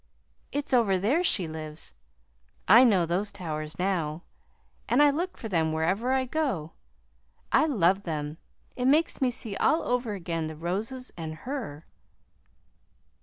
"It's over there she lives. I know those towers now, and I look for them wherever I go. I love them. It makes me see all over again the roses and her."